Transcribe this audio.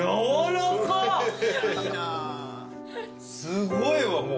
すごいわもう。